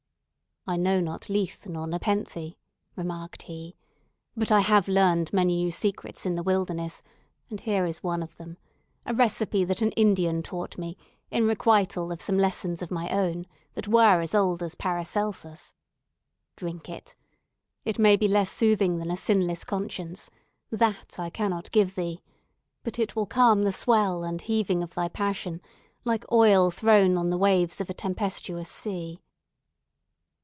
"I know not Lethe nor Nepenthe," remarked he; "but I have learned many new secrets in the wilderness, and here is one of them—a recipe that an Indian taught me, in requital of some lessons of my own, that were as old as Paracelsus. Drink it! It may be less soothing than a sinless conscience. That I cannot give thee. But it will calm the swell and heaving of thy passion, like oil thrown on the waves of a tempestuous sea."